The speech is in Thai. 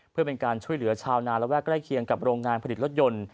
เพื่อเป็นการช่วยเหลือชาวนาระแวกใกล้เคียงกับโรงงานผลิตรถยนต์